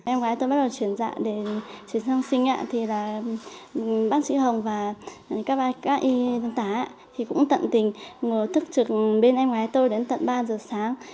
em gái tôi bắt đầu chuyển dạng để chuyển sang sinh bác sĩ hồng và các y tân tá cũng tận tình ngồi thức trực bên em gái tôi đến tận ba giờ sáng